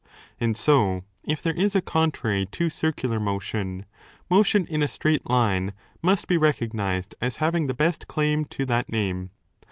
And so, if there is a contrary to circular motion, motion in a straight line must be re cognized as having the best claim to that name.